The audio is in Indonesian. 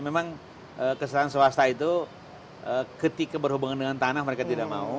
memang kesalahan swasta itu ketika berhubungan dengan tanah mereka tidak mau